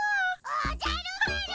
おじゃる丸！